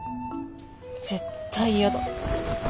絶対やだ。